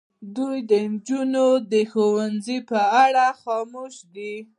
دوی د نجونو د ښوونځي په اړه خاموش دي.